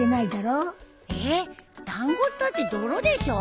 えっだんごったって泥でしょ？